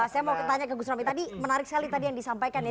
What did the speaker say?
saya mau tanya ke gus romi tadi menarik sekali tadi yang disampaikan ya